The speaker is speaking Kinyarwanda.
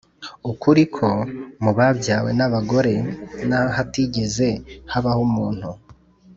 ukuri ko mu babyawe n abagore n hatigeze habaho umuntu